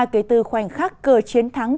kể từ khoảnh khắc cờ chiến thắng